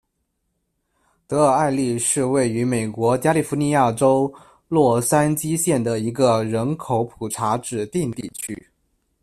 德尔艾利是位于美国加利福尼亚州洛杉矶县的一个人口普查指定地区。